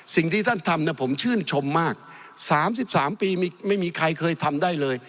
สิ่งที่ท่านทำผมชื่นชมมาก๓๓ปีไม่มีใครเคยทำได้เลย